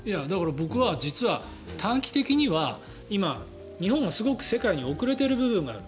僕は実は短期的には日本はすごく今世界に遅れている部分がある。